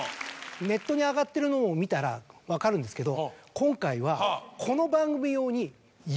ネットに上がってるのを見たら分かるんですけど今回は。